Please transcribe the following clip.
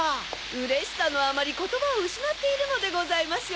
うれしさのあまりことばをうしなっているのでございましょう。